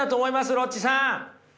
ロッチさん！